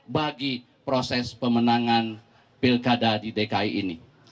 bagi proses pemenangan pilkada di dki ini